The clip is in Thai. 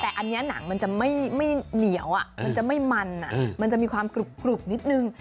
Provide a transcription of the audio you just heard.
แต่อันนี้หนังมันจะไม่เหนียวมันจะไม่มันมันจะมีความกรุบนิดนึง